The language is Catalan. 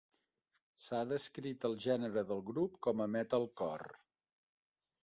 S'ha descrit el gènere del grup com a metalcore.